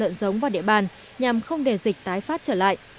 lợn giống vào địa bàn nhằm không để dịch tái phát trở lại